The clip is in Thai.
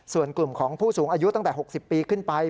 ส่วนกลุ่มของผู้สูงอายุตั้งแต่๖๐ปีขึ้นไป